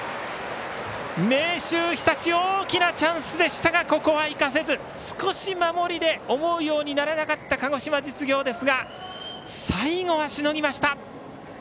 明秀日立大きなチャンスでしたがここは生かせず、少し守りで思うようにならなかった鹿児島実業ですが最後はしのぎました。